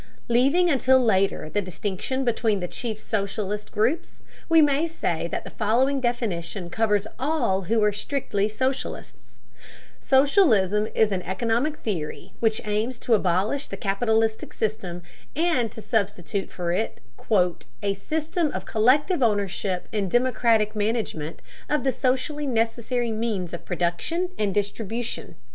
Leaving until later the distinction between the chief socialist groups, we may say that the following definition covers all who are strictly socialists: Socialism is an economic theory which aims to abolish the capitalistic system, and to substitute for it "a system of collective ownership and democratic management of the socially necessary means of production and distribution."